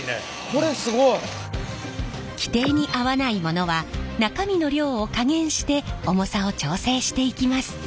これすごい。規定に合わないものは中身の量を加減して重さを調整していきます。